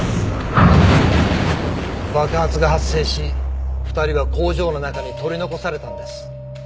爆発が発生し２人は工場の中に取り残されたんです。